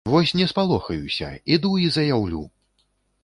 Вось не спалохаюся, іду і заяўлю!